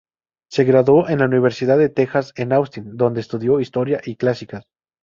Se graduó en la Universidad de Texas en Austin, donde estudió historia y clásicas.